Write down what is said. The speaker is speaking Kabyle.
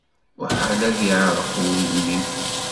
Muḥal ad iɛṛeq wudem-im.